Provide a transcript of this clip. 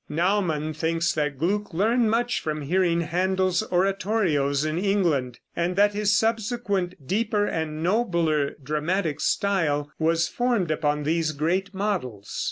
Naumann thinks that Gluck learned much from hearing Händel's oratorios in England, and that his subsequent deeper and nobler dramatic style was formed upon these great models.